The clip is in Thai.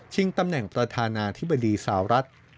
ตำแหน่งประธานาธิบดีสาวรัฐ